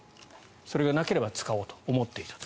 それがなければ使おうと思っていた。